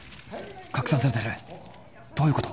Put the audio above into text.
「拡散されてるどういうこと？」。